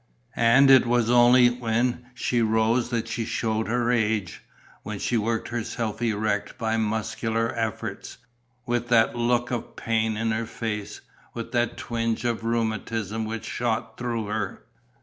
And it was only when she rose that she showed her age, when she worked herself erect by muscular efforts, with that look of pain in her face, with that twinge of rheumatism which shot through her.